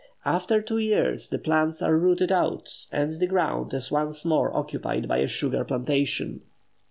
After two years the plants are rooted out, and the ground is once more occupied by a sugar plantation.